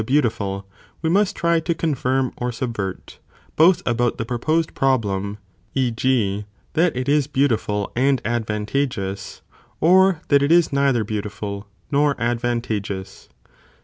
2.) beautiful, we must try to confirm or subvert, both about the proposed (problem), e. g. that it is beautiful and OHAP, III. ]. 'THE TOPICS. 389 advantageous, or that it is neither beautiful nor advantageous.